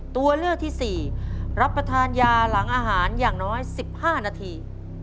ตัวเลือกที่๔รับประทานยาหลังอาหารอย่างน้อย๑๕นาที